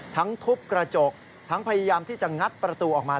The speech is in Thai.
ทุบกระจกทั้งพยายามที่จะงัดประตูออกมา